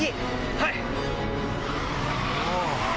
はい！